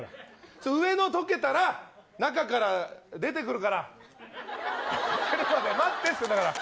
上の溶けたら中から出てくるから待ってって。